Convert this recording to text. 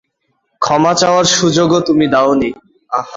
ক্ষমা চাওয়ার সুযোগও তুমি দাওনি।